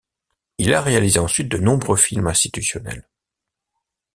Il a réalisé ensuite de nombreux films institutionnels.